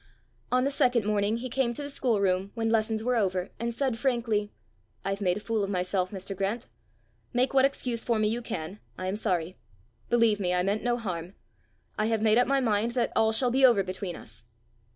On the second morning he came to the schoolroom when lessons were over, and said frankly, "I've made a fool of myself, Mr. Grant! Make what excuse for me you can. I am sorry. Believe me, I meant no harm. I have made up my mind that all shall be over between us."